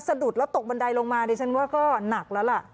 สะดุดแล้วตกบันไดลงมาดิฉันว่าก็หนักแล้วล่ะ